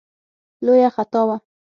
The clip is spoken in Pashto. لویه خطا وه.